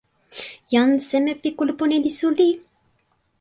jan seme pi kulupu ni li suli?